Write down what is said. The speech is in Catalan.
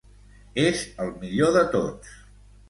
És el millor de tots.